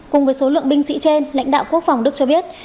cùng với số lượng binh sĩ trên lãnh đạo quốc phòng đức cho biết